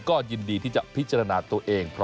ก็ยินดีที่จะพิจารณาตัวเอง